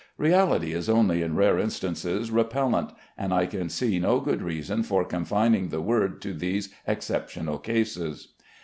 Reality is only in rare instances repellent, and I can see no good reason for confining the word to these exceptional cases.